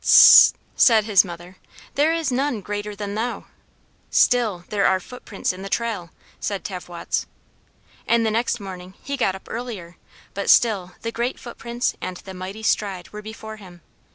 "T' sst!" said his mother, "there is none greater than thou." "Still, there are the footprints in the trail," said Tavwots. And the next morning he got up earlier; but still the great footprints and the mighty stride were before him.